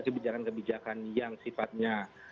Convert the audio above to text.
kebijakan kebijakan yang sifatnya